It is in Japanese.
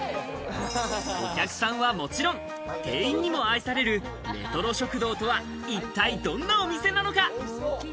お客さんはもちろん、店員にも愛されるレトロ食堂とは一体どんなお店なのか。